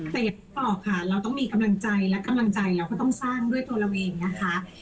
แต่อย่างที่บอกค่ะเราต้องมีกำลังใจและกำลังใจเราก็ต้องสร้างด้วยตัวเราเองนะคะ